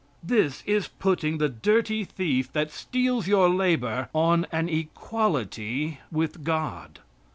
This is putting the dirty thief that steals your labor on an equality with God.